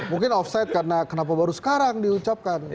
mungkin offside karena kenapa baru sekarang diucapkan